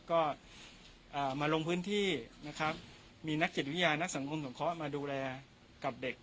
ก็มาลงพื้นที่นะครับมีนักจิตวิทยานักสังคมสงเคราะห์มาดูแลกับเด็ก